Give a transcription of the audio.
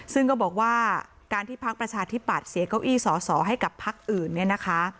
ซึ่งก็บอกว่าการที่พักประชาธิปัตย์เสียเก้าอี้สอสอให้กับพักอื่นเนี่ยนะคะ